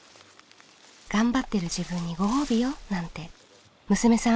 頑張ってる自分にご褒美よなんて娘さん